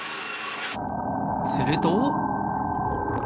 すると。